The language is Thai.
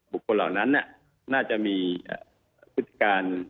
เหล่านั้นน่าจะมีพฤติการ